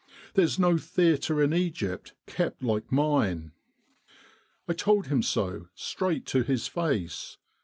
There's no theatre in Egypt kept like mine : I told him so straight to his face.